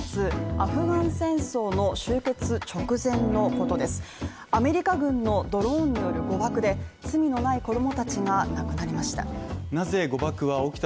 アメリカ軍のドローンによる誤爆で、罪のない子供たちが亡くなりました。